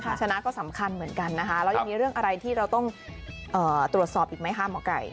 ถ้าชนะก็สำคัญเหมือนกันนะคะเรายังมีเรื่องอะไรที่เราต้องตรวจสอบอีกไหมคะหมอไก่